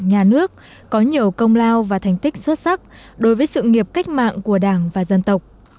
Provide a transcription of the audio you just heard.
nhà nước có nhiều công lao và thành tích xuất sắc đối với sự nghiệp cách mạng của đảng và dân tộc